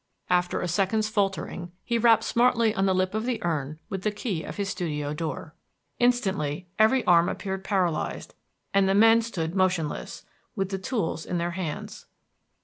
After a second's faltering he rapped smartly on the lip of the urn with the key of his studio door. Instantly every arm appeared paralyzed, and the men stood motionless, with the tools in their hands.